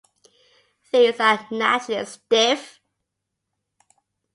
These are naturally stiff.